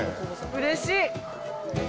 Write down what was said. うれしい。